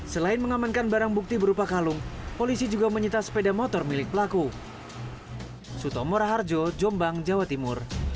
selain mengamankan barang bukti berupa kalung polisi juga menyita sepeda motor milik pelaku